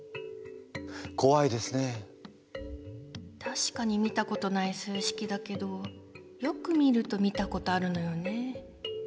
たしかに見たことない数式だけどよく見ると見たことあるのよね。